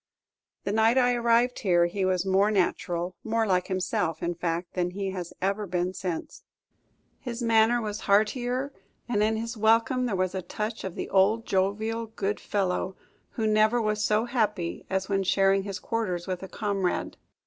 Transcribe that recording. The night I arrived here he was more natural, more like himself, in fact, than he has ever been since. His manner was heartier, and in his welcome there was a touch of the old jovial good fellow, who never was so happy as when sharing his quarters with a comrade.